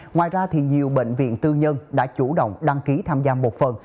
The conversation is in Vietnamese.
ngoài ra nhiều bệnh viện tư nhân đã chủ động đăng ký tham gia một phần